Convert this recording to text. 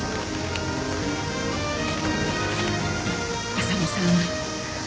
浅野さん。